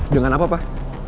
dengan apa pak